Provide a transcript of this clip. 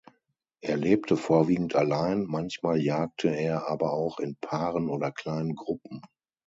Er lebte vorwiegend allein, manchmal jagte er aber auch in Paaren oder kleinen Gruppen.